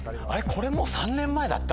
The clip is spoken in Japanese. これもう３年前だった？」